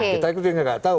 kita juga tidak tahu